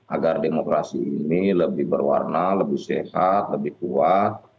agar demokrasi ini lebih berwarna lebih sehat lebih kuat